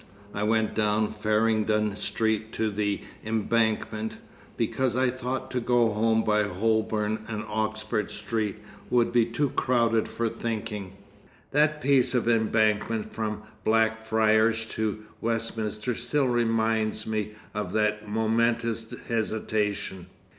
I went down Farringdon Street to the Embankment because I thought to go home by Holborn and Oxford Street would be too crowded for thinking.... That piece of Embankment from Blackfriars to Westminster still reminds me of that momentous hesitation.